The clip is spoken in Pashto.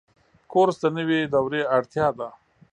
کورس د نوي دورې اړتیا ده.